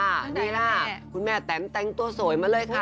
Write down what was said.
นี่ล่ะคุณแม่แตนแต่งตัวสวยมาเลยค่ะ